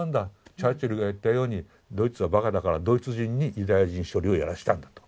チャーチルが言ったようにドイツはバカだからドイツ人にユダヤ人処理をやらせたんだと。